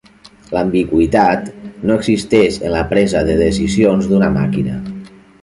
L'ambigüitat no existeix en la presa de decisions d'una màquina.